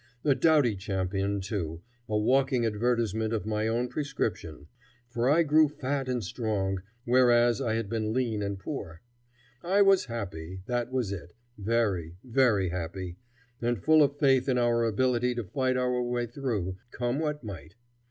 A doughty champion, too, a walking advertisement of my own prescription; for I grew fat and strong, whereas I had been lean and poor. I was happy, that was it; very, very happy, and full of faith in our ability to fight our way through, come what might.